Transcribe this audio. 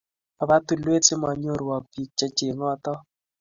Oba tulwet si ma nyoorwok piik che cheeng'otok.